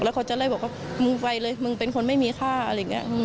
แล้วเขาจะไล่บอกว่ามึงไปเลยมึงเป็นคนไม่มีค่าอะไรอย่างนี้